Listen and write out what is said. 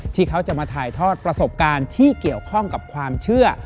ที่เขาจะมาถ่ายทอดประสบการณ์ที่เกี่ยวข้องกับความเชื่อ